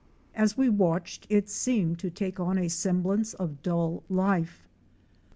As we watched, it seemed to take on a semblance of dull life.